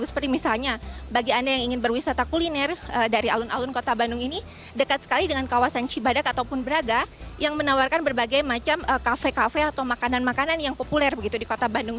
seperti misalnya bagi anda yang ingin berwisata kuliner dari alun alun kota bandung ini dekat sekali dengan kawasan cibadak ataupun braga yang menawarkan berbagai macam kafe kafe atau makanan makanan yang populer begitu di kota bandung